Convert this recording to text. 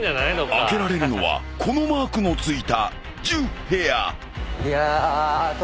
［開けられるのはこのマークの付いた１０部屋］いや。